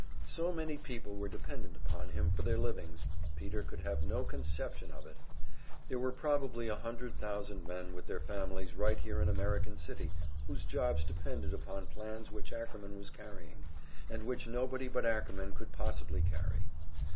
So many people were dependent upon him for their livings, Peter could have no conception of it! There were probably a hundred thousand men with their families right here in American City, whose jobs depended upon plans which Ackerman was carrying, and which nobody but Ackerman could possibly carry.